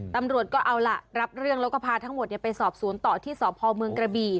ตำรวจก็เอาล่ะรับเรื่องแล้วก็พาทั้งหมดไปสอบสวนต่อที่สพเมืองกระบี่